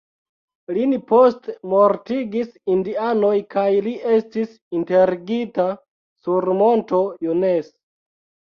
Lin poste mortigis indianoj, kaj li estis enterigita sur monto "Jones".